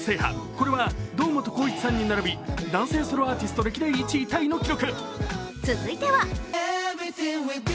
これは堂本光一さんに並び男性ソロアーティスト歴代１位タイの記録。